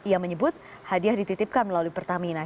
ia menyebut hadiah dititipkan melalui pertamina